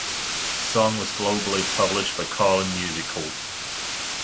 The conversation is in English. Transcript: The song was globally published by Carlin Music Corp.